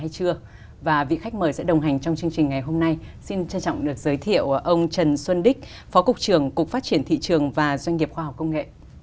chân trọng được giới thiệu ông trần xuân đích phó cục trường cục phát triển thị trường và doanh nghiệp khoa học công nghệ